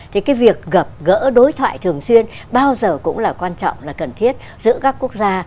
thì cái việc gặp gỡ đối thoại thường xuyên bao giờ cũng là quan trọng là cần thiết giữa các quốc gia